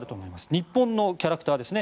日本のキャラクターですね。